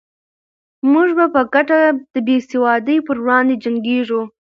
موږ به په ګډه د بې سوادۍ پر وړاندې جنګېږو.